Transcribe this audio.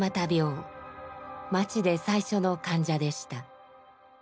町で最初の患者でした。